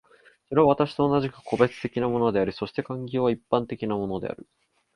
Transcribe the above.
それは私と同じく個別的なものであり、そして環境は一般的なものである。